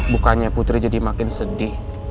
bukannya putri jadi makin sedih